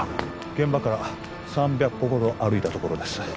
現場から３００歩ほど歩いた所です